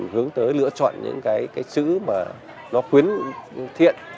hướng tới lựa chọn những cái chữ mà nó khuyến thiện